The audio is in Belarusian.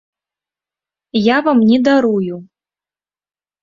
Я вам не дарую.